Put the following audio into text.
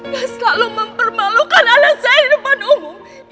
selalu mempermalukan anak saya di depan umum